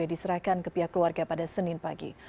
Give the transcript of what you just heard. diserahkan ke pihak keluarga pada senin pagi